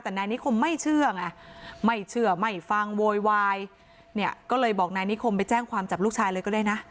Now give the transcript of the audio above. แต่นายนิคมไม่เชื่อไงไม่เชื่อไม่ฟังโวยวายเนี่ยก็เลยบอกนายนิคมไปแจ้งความจับลูกชายเลยก็ได้นะ